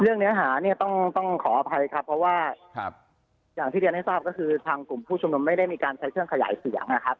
เนื้อหาเนี่ยต้องขออภัยครับเพราะว่าอย่างที่เรียนให้ทราบก็คือทางกลุ่มผู้ชุมนุมไม่ได้มีการใช้เครื่องขยายเสียงนะครับ